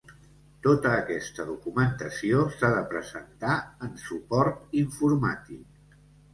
Tota aquesta documentació s'ha de presentar en suport informàtic.